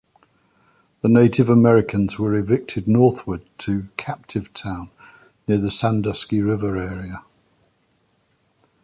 The Native Americans were evicted northward to "Captive Town" near the Sandusky River area.